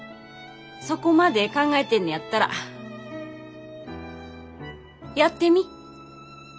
そこまで考えてんねやったらやってみ。